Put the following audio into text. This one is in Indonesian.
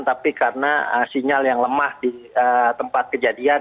tapi karena sinyal yang lemah di tempat kejadian